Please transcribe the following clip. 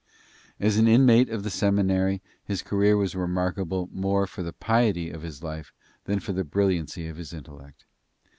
As an inmate of the seminary his career was remarkable more for the piety of his life than for the brilliancy of his intellect.